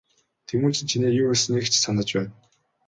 Тэмүжин чиний юу хэлснийг ч санаж байна.